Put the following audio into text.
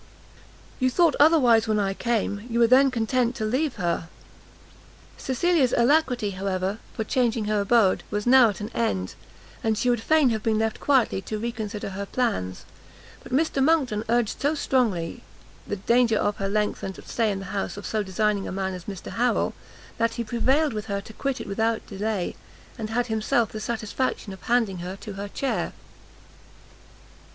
"You thought otherwise when I came, you were then content to leave her." Cecilia's alacrity, however, for changing her abode, was now at an end, and she would fain have been left quietly to re consider her plans; but Mr Monckton urged so strongly the danger of her lengthened stay in the house of so designing a man as Mr Harrel, that he prevailed with her to quit it without delay, and had himself the satisfaction of handing her to her chair.